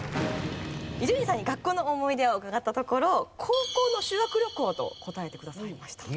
伊集院さんに学校の思い出を伺ったところ高校の修学旅行と答えてくださいました。